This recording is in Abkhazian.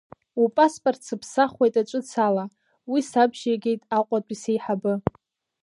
Упаспорт сыԥсахуеит аҿыц ала, уи сабжьеигеит Аҟәатәи сеиҳабы.